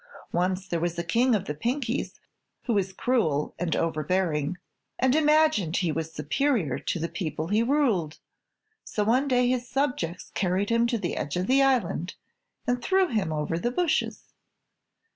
Once there was a King of the Pinkies who was cruel and overbearing and imagined he was superior to the people he ruled, so one day his subjects carried him to the edge of the island and threw him over the bushes."